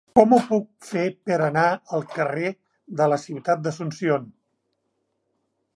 Com ho puc fer per anar al carrer de la Ciutat d'Asunción?